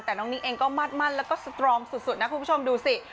และแรงกดดันแต่น้องนิ๊กเองก็มั่นและก็สตรอมสุดนะคุณผู้ชมดูสิ